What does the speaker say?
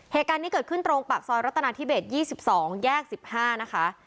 เหตุการณ์นี้เกิดขึ้นตรงปากซอยรัตนาธิเบส๒๒แยก๑๕นะคะ